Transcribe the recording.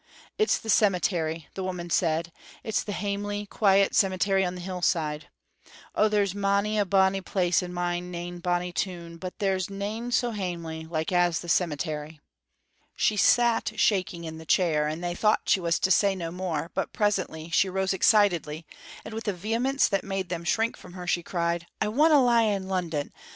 "It's the cemetery," the woman said, "it's the hamely, quiet cemetery on the hillside. Oh, there's mony a bonny place in my nain bonny toon, but there's nain so hamely like as the cemetery." She sat shaking in the chair, and they thought she was to say no more, but presently she rose excitedly, and with a vehemence that made them shrink from her she cried: "I winna lie in London!